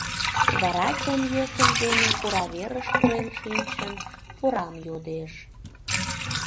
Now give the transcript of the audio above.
Вара, чон йӧсыж дене пураверыш пурен шинчын, пурам йодеш...